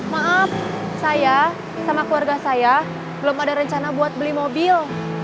maaf saya sama keluarga saya belum ada rencana buat beli mobil